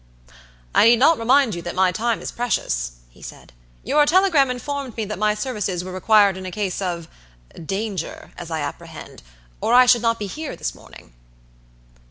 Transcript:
"I need not remind you that my time is precious," he said; "your telegram informed me that my services were required in a case ofdangeras I apprehend, or I should not be here this morning."